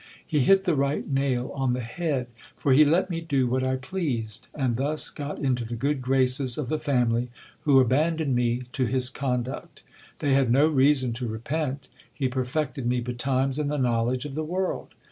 He hit the right nail on the head : for he let me do what I pleased, and thus got into the good graces of the family, who abandoned me to his conduct. They had no reason to repent. He perfected me betimes in the knowledge of the world.